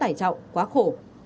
tại trọng quá khổ